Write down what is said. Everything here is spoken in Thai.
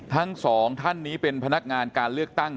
ทั้งสองท่านนี้เป็นพนักงานการเลือกตั้ง